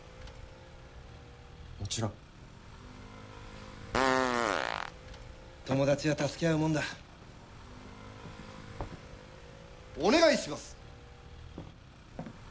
もちろん友達は助け合うもんだお願いします！